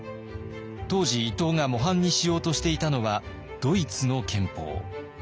当時伊藤が模範にしようとしていたのはドイツの憲法。